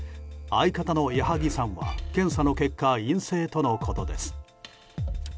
相方の矢作さんは検査の結果陰性とのことです。